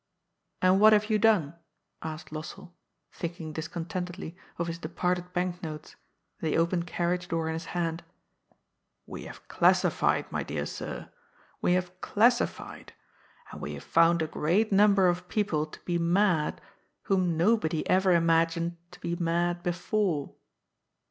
" And what have you done ?" asked Lossell, thinking discontentedly of his departed bank notes, the open carriage door in his hand. " We have classified, my dear sir. We have classified. And we have found a great number of people to be mad whom nobody ever imagined to be mad before."